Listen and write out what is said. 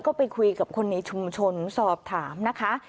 ก็ไปคุยกับคนในชุมชนสอบถามนะคะ